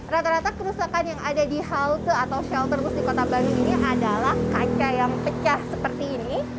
rata rata kerusakan yang ada di halte atau shelter bus di kota bandung ini adalah kaca yang pecah seperti ini